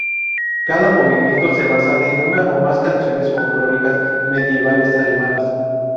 Cada movimiento se basa en una o más canciones folclóricas medievales alemanas.